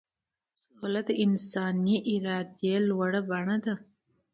سوله د انساني ارادې لوړه بڼه ده.